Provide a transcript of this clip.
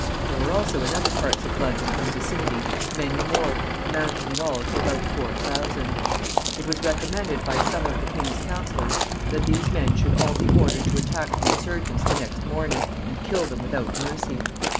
There were also in other parts of London and vicinity many more, amounting in all to about four thousand. It was recommended by some of the king's counselors that these men should all be ordered to attack the insurgents the next morning, and kill them without mercy.